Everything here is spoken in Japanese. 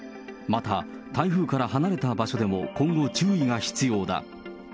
また台風から離れた場所でも今後、注意が必要だ。